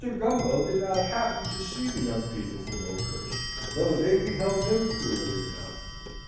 Gumbo did not happen to see the young people from Oakhurst, though they beheld him clearly enough.